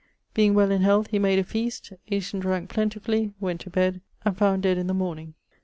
Being well in health, he made a feast; ate and dranke plentifully; went to bed; and found dead in the morning.